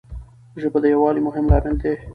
ژبه د یووالي مهم لامل دی.